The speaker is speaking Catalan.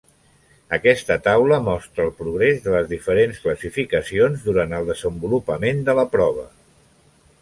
Aquesta taula mostra el progrés de les diferents classificacions durant el desenvolupament de la prova.